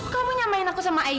kamu nyamain aku sama aida